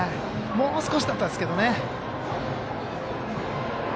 もう少しだったんですけどね。